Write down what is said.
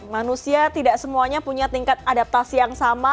manusia tidak semuanya punya tingkat adaptasi yang sama